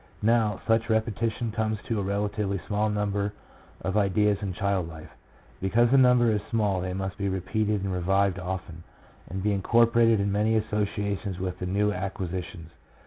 Now, such repetition comes to a relatively small number of ideas in child life. Because the number is small they must be repeated and revived often, and be incorporated in many associations with the new acquisitions.